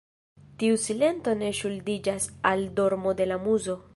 Tiu silento ne ŝuldiĝas al dormo de la muzo.